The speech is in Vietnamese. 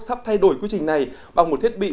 sắp thay đổi quy trình này bằng một thiết bị